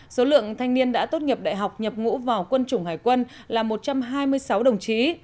số lượng thanh niên đã tốt nghiệp đại học nhập ngũ vào quân chủng hải quân là một trăm hai mươi sáu đồng chí